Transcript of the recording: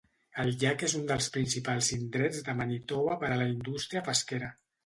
El llac és un dels principals indrets de Manitoba per a la indústria pesquera.